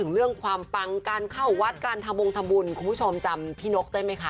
เรื่องความปังการเข้าวัดการทำบงทำบุญคุณผู้ชมจำพี่นกได้ไหมคะ